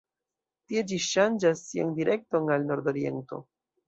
Tie ĝi ŝanĝas sian direkton al nordoriento.